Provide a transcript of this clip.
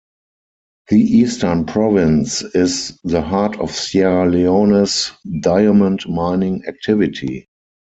The Eastern Province is the heart of Sierra Leone's diamond mining activity.